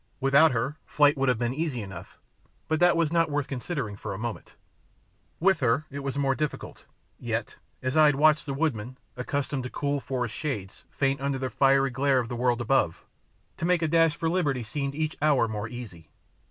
Without her, flight would have been easy enough, but that was not worth considering for a moment. With her it was more difficult, yet, as I had watched the woodmen, accustomed to cool forest shades, faint under the fiery glare of the world above, to make a dash for liberty seemed each hour more easy.